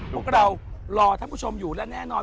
พวกเรารอท่านผู้ชมอยู่และแน่นอน